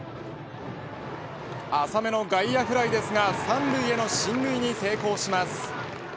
浅めの外野フライですが３塁への進塁に成功します。